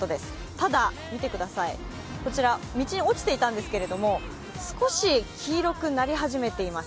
ただ、見てください、こちら道に落ちていたんですけど、少し黄色くなり始めています。